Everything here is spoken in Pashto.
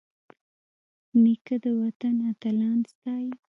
نیکه د وطن اتلان ستايي.